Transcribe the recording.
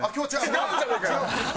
違うじゃねえかよ！